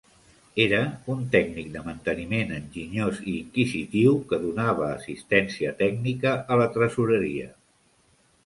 Era un tècnic de manteniment enginyós i inquisitiu que donava assistència tècnica a la Tresoreria.